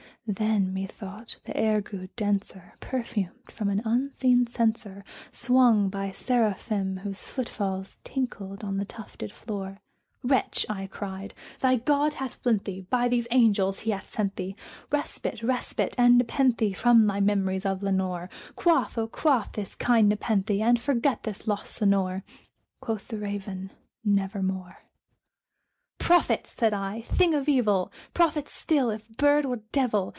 Then, methought, the air grew denser, perfumed from an unseen censer Swung by seraphim whose foot falls tinkled on the tufted floor. "Wretch," I cried, "thy God hath lent thee by these angels he hath sent thee Respite respite and nepenthe from thy memories of Lenore! Quaff, oh quaff this kind nepenthe, and forget this lost Lenore!" Quoth the Raven, "Nevermore." "Prophet!" said I, "thing of evil! prophet still, if bird or devil!